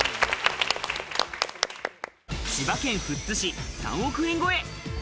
千葉県富津市３億円超え。